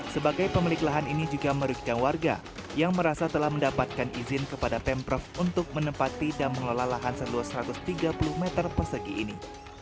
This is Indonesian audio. sebagai pemilik lahan ini juga merugikan warga yang merasa telah mendapatkan izin kepada pemprov untuk menempati dan mengelola lahan seluas satu ratus tiga puluh meter persegi ini